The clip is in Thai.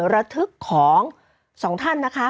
ระทึกของสองท่านนะคะ